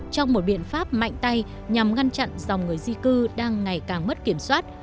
trong một biện pháp mạnh tay nhằm ngăn chặn dòng người di cư đang ngày càng mất kiểm soát